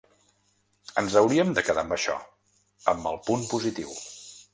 Ens hauríem de quedar amb això, amb el punt positiu.